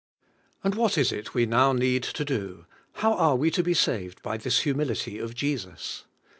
And what is it we now need to do? How are we to be saved by this humility of Jesus?